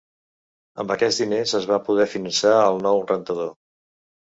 Amb aquests diners es va poder finançar el nou rentador.